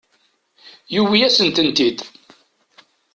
Yuwi-asent-tent-id.